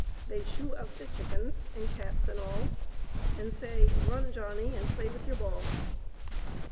They shoo out the Chickens, And Cats,9Lnd all. And S2LY^JR.un,7ohnnte, Andjplay with your Ball